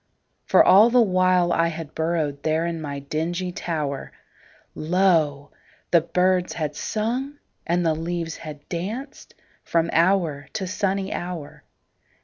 For all the while I had burrowedThere in my dingy tower, Lo! the birds had sung and the leaves had dancedFrom hour to sunny hour.